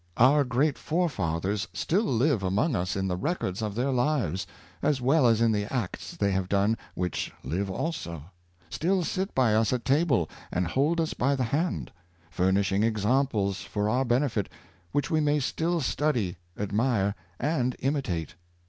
Our great forefathers still live amons: us in the records of their lives, as well as in the acts they have done, which live also; still sit by us at table, and hold us by the hand; furnishing examples for our benefit, which we may still study, admire, and imitate.